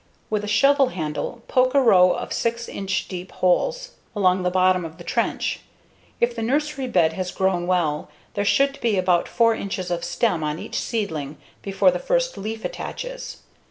With a shovel handle, poke a row of 6 inch deep holes along the bottom of the trench. If the nursery bed has grown well there should be about 4 inches of stem on each seedling before the first leaf attaches.